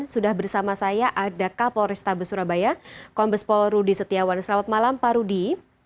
sudah bersama saya ada kapol restabes surabaya kombespol rudy setiawan selamat malam pak rudi